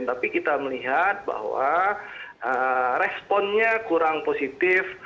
tapi kita melihat bahwa responnya kurang positif